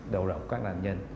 đầu rộng các đàn nhân